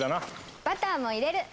バターも入れる！